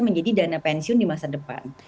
menjadi dana pensiun di masa depan